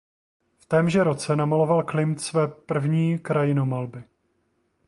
V témže roce namaloval Klimt své první krajinomalby.